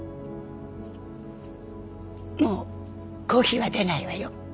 もうコーヒーは出ないわよ。